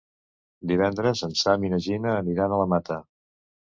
Divendres en Sam i na Gina aniran a la Mata.